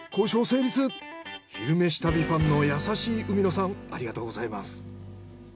「昼めし旅」ファンの優しい海野さんありがとうございます。